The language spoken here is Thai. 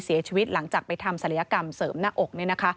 เสียชีวิตหลังจากไปทำศัลยกรรมเสริมหน้าอก